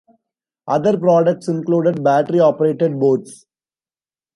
Other products included battery-operated boats.